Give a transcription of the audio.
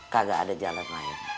kagak ada jalan lain